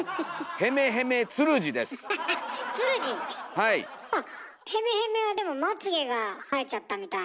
「へめへめ」はでもまつげが生えちゃったみたいな。